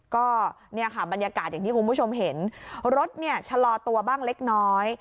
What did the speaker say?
ก็เนี่ยค่ะบรรยากาศอย่างที่คุณผู้ชมเห็นรถเนี่ยชะลอตัวบ้างเล็กน้อย